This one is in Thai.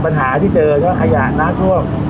ปัญหาที่เจอเพราะว่าขยะน้ำร่วม